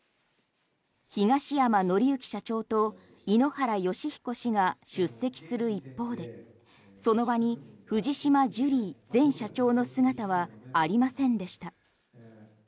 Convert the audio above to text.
東山紀之社長と井ノ原快彦氏が出席する一方でその場に藤島ジュリー前社長の姿はありませんでした。